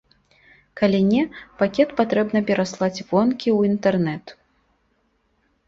Калі не, пакет патрэбна пераслаць вонкі ў інтэрнэт.